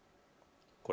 これ。